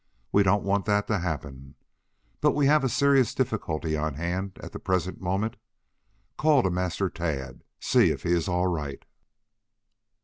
We don't want that to happen. But we have a serious difficulty on hand at the present moment. Call to Master Tad. See if he is all right."